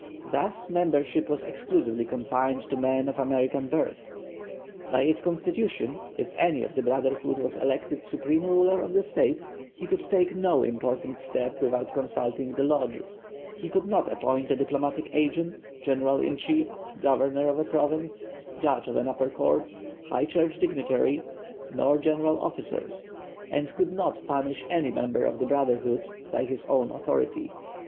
Thus membership was exclusively confined to men of American birth. By its constitution, if any of the brotherhood was elected supreme ruler of the State, he could take no important step without consulting the Lodge; he could not appoint a diplomatic agent, general in chief, governor of a province, judge of an upper court, high church dignitary, nor general officers, and could not punish any member of the brotherhood, by his own authority.